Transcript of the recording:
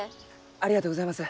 ありがとうございます。